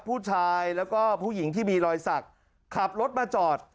ผู้ชายแล้วก็ผู้หญิงที่มีรอยสักขับรถมาจอด